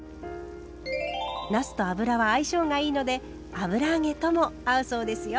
なすと油は相性がいいので油揚げとも合うそうですよ。